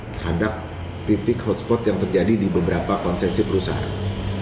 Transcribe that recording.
terhadap titik hotspot yang terjadi di beberapa konsensi perusahaan